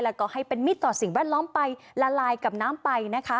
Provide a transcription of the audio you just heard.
แล้วก็ให้เป็นมิตรต่อสิ่งแวดล้อมไปละลายกับน้ำไปนะคะ